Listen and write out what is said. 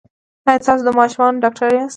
ایا تاسو د ماشومانو ډاکټر یاست؟